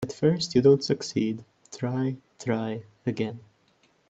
If at first you don't succeed, try, try again.